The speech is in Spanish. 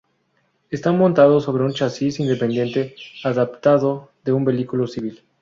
Está montado sobre un chasis independiente, adaptado de un vehículo civil.